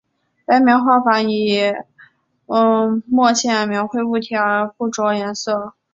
白描画法以墨线描绘物体而不着颜色。